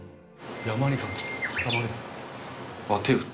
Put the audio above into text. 山に挟まれて。